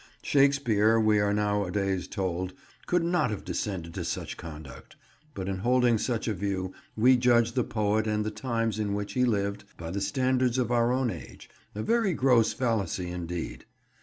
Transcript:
Shakespeare, we are nowadays told, could not have descended to such conduct; but in holding such a view we judge the poet and the times in which he lived by the standards of our own age; a very gross fallacy indeed.